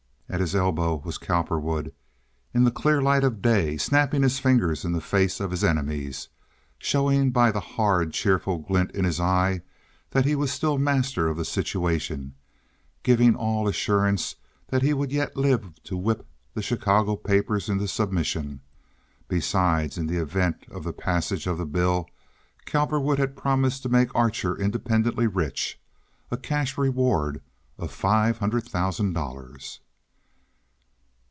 At his elbow was Cowperwood in the clear light of day, snapping his fingers in the face of his enemies, showing by the hard, cheerful glint in his eye that he was still master of the situation, giving all assurance that he would yet live to whip the Chicago papers into submission. Besides, in the event of the passage of the bill, Cowperwood had promised to make Archer independently rich—a cash reward of five hundred thousand dollars.